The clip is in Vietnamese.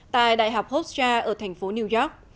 tại đại học hofstra ở thành phố new york